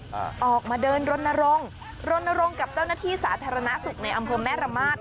ออกมาเดินรณรงค์รณรงค์กับเจ้าหน้าที่สาธารณสุขในอำเภอแม่ระมาท